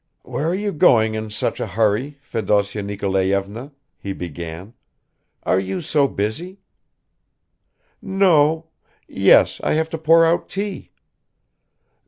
"Where are you going in such a hurry, Fedosya Nikolayevna," he began, "are you so busy?" "No ... yes, I have to pour out tea."